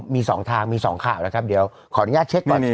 มี๒ทางมี๒ข่าวนะครับเดี๋ยวขออนุญาตเช็คก่อน